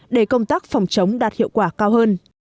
để công tác phòng chống đạt hiệu quả cao hơn